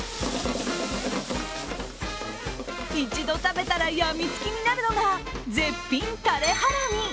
一度食べたらやみつきになるのが絶品タレハラミ。